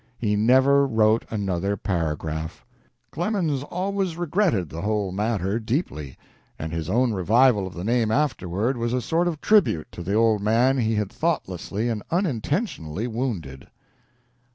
He never wrote another paragraph. Clemens always regretted the whole matter deeply, and his own revival of the name afterward was a sort of tribute to the old man he had thoughtlessly and unintentionally wounded.